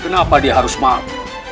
kenapa dia harus maaf